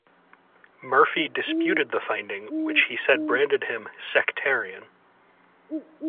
Murphy disputed the finding which he said branded him "sectarian".